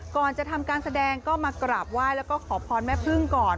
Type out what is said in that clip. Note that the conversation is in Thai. ก่อนจะทำการแสดงก็มากราบไหว้แล้วก็ขอพรแม่พึ่งก่อน